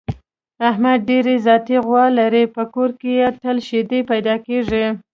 احمد ډېره ذاتي غوا لري، په کور کې یې تل شیدې پیدا کېږي.